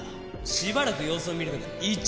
しばらく様子を見るのが一番。